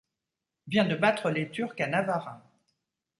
vient de battre les turcs à Navarin.